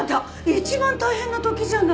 一番大変な時じゃない。